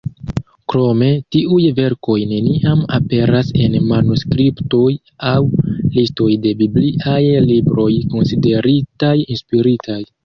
Krome tiuj verkoj neniam aperas en manuskriptoj aŭ listoj de bibliaj libroj konsideritaj inspiritaj.